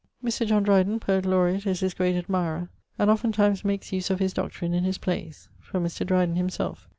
Mr. John Dreyden, Poet Laureat, is his great admirer, and oftentimes makes use of his doctrine in his playes from Mr. Dreyden himselfe.